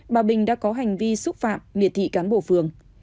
bà bình đã có hành vi xúc phạm miệt thị cán bộ phường